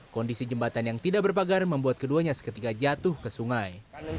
kondisi jembatan yang tidak berpagar membuat keduanya seketika jatuh ke sungai